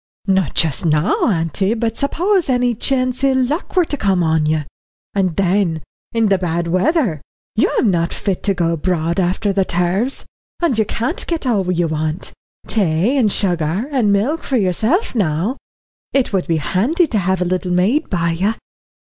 "Not just now, auntie, but suppose any chance ill luck were to come on you. And then, in the bad weather, you'm not fit to go abroad after the turves, and you can't get all you want tay and sugar and milk for yourself now. It would be handy to have a little maid by you."